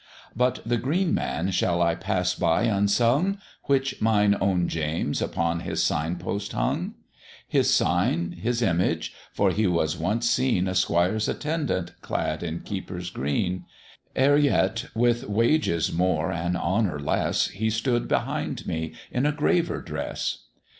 But the Green Man shall I pass by unsung, Which mine own James upon his sign post hung? His sign his image, for he was once seen A squire's attendant, clad in keeper's green; Ere yet, with wages more and honour less, He stood behind me in a graver dress.